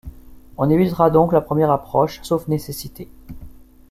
On évitera donc la première approche, sauf nécessité.